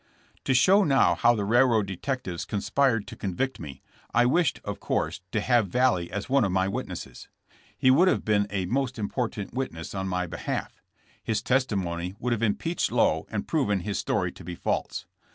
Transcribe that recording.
To show now how the railroad detectives con spired to convict me I wished, of course, to have VaLlee as one of my witnesses. He would have been a nlost important witness in my behalf. His testi mony would have impeached Lowe and proven his story to be false.